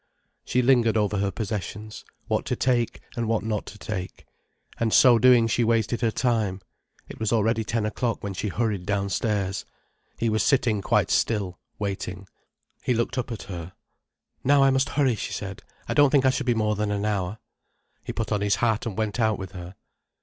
She lingered over her possessions: what to take, and what not to take. And so doing she wasted her time. It was already ten o'clock when she hurried downstairs. He was sitting quite still, waiting. He looked up at her. "Now I must hurry," she said. "I don't think I shall be more than an hour." He put on his hat and went out with her.